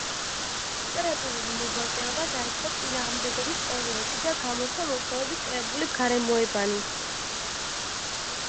ლიტერატურული მოღვაწეობა დაიწყო „წინააღმდეგობის“ პერიოდში და გამოსცა მოთხრობების კრებული „გარემოებანი“.